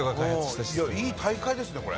いい大会ですね、これ。